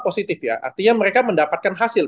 positif ya artinya mereka mendapatkan hasil